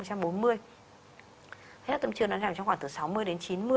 huyết áp tâm trường nó sẽ làm trong khoảng từ sáu mươi đến chín mươi